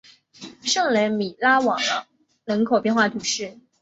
圣雷米拉瓦朗人口变化图示